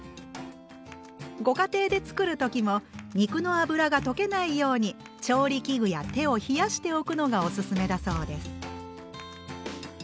ご家庭で作る時も肉の脂が溶けないように調理器具や手を冷やしておくのがおすすめだそうです。